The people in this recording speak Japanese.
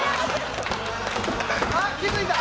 あっ気づいた！